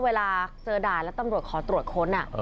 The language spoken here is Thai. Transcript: เวลาเจอด่านแล้วตำรวจขอตรวจค้น